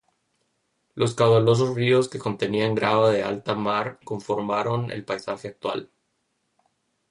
Los caudalosos ríos que contenían grava de alta mar conformaron el paisaje actual.